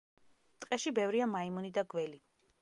ტყეში ბევრია მაიმუნი და გველი.